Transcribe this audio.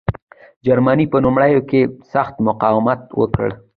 جرمني په لومړیو کې سخت مقاومت وکړ.